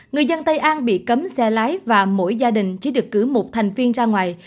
người dân tây an bị cấm xe lái và mỗi gia đình chỉ được cử một thành viên ra ngoài